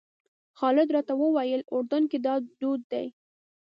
خالد راته وویل اردن کې دا دود دی.